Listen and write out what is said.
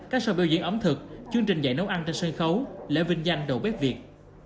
các sở biểu diễn ẩm thực chương trình dạy nấu ăn trên sân khấu lễ vinh danh đầu bếp việt